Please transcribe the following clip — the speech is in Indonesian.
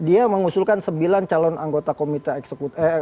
dia mengusulkan sembilan calon anggota komite eksekutif